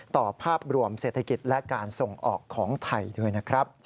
ภาพรวมเศรษฐกิจและการส่งออกของไทยด้วยนะครับ